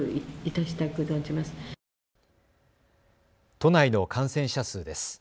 都内の感染者数です。